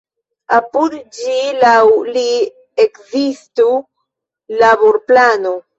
Apud ĝi laŭ li ekzistu laborplano.